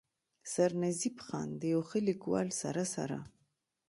“ سرنزېب خان د يو ښه ليکوال سره سره